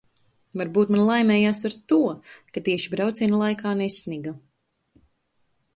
Varbūt man laimējās ar to, ka tieši brauciena laikā nesniga.